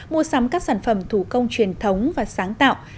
mua sắm các sản phẩm thủ công truyền thống và sáng tạo